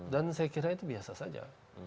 dan saya kira itu biasa saja